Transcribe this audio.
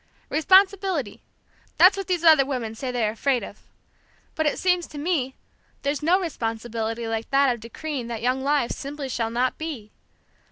Responsibility, that's what these other women say they are afraid of! But it seems to me there's no responsibility like that of decreeing that young lives simply shall not be.